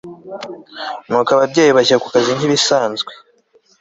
nuko ababyeyi bajya ku kazi nkibisanzwe